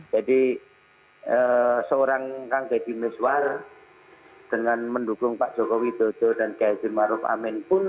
jadi seorang kang dedy mezwar dengan mendukung pak jokowi dodo dan jaya jirmaruf amin pun